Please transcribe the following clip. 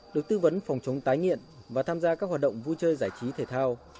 được tư vấn phòng chống tái nghiện và tham gia các hoạt động vui chơi giải trí thể thao